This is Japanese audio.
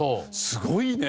すごいね！